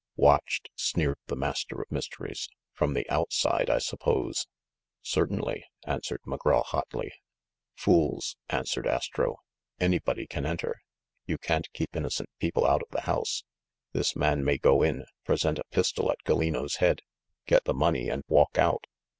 "Watched!" sneered the Master of Mysteries. "From the outside, I suppose ?" "Certainly," answered McGraw hotly. THE MACDOUGAL STREET AFFAIR 63 "Fools !" answered Astro. "Anybody can enter. You can't keep innocent people out of the house. This man may go in, present a pistol at Gallino's head, get the money, and walk out.